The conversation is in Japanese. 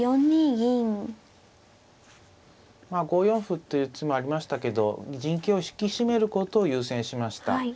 ５四歩という手もありましたけど陣形を引き締めることを優先しました。